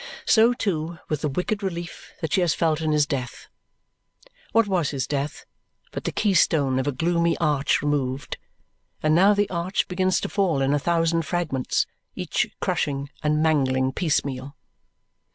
So, too, with the wicked relief she has felt in his death. What was his death but the key stone of a gloomy arch removed, and now the arch begins to fall in a thousand fragments, each crushing and mangling piecemeal!